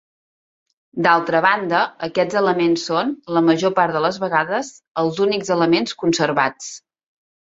D'altra banda, aquests elements són, la major part de les vegades, els únics elements conservats.